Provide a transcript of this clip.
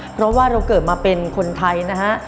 เพราะว่าเราเกิดมาเป็นคนไทยนะฮะ